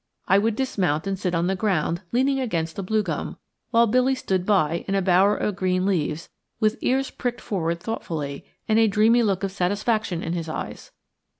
I would dismount and sit on the ground, leaning against a blue gum, while Billy stood by, in a bower of green leaves, with ears pricked forward thoughtfully, and a dreamy look of satisfaction in his eyes.